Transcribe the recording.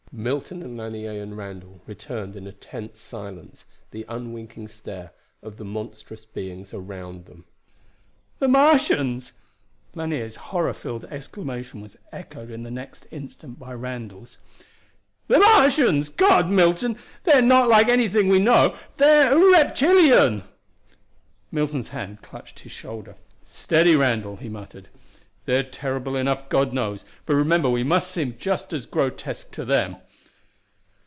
Milton and Lanier and Randall returned in a tense silence the unwinking stare of the monstrous beings around them. "The Martians!" Lanier's horror filled exclamation was echoed in the next instant by Randall's. "The Martians! God, Milton! They're not like anything we know they're reptilian!" Milton's hand clutched his shoulder. "Steady, Randall," he muttered. "They're terrible enough, God knows but remember we must seem just as grotesque to them."